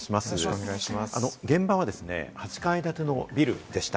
現場は８階建てのビルでした。